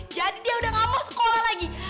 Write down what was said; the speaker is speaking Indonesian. jadi dia udah gak mau sekolah lagi